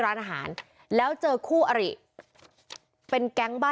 พวกมันต้องกินกันพี่